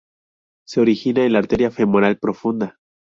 Se origina en la arteria femoral profunda.